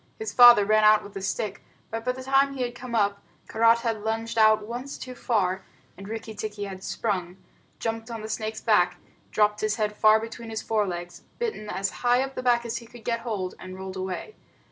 His father ran out with a stick, but by the time he came up, Karait had lunged out once too far, and Rikki tikki had sprung, jumped on the snake's back, dropped his head far between his forelegs, bitten as high up the back as he could get hold, and rolled away.